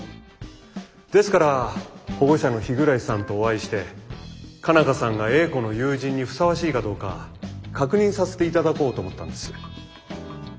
ですから保護者の日暮さんとお会いして佳奈花さんが英子の友人にふさわしいかどうか確認させて頂こうと思ったんです。